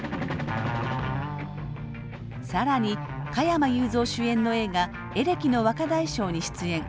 更に加山雄三主演の映画「エレキの若大将」に出演。